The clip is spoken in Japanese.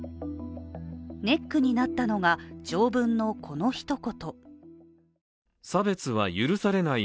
ネックになったのが条文のこの一言。